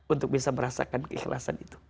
untuk bisa merasakan keikhlasan itu